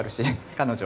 彼女